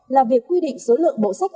là việc quy định số lượng bộ sách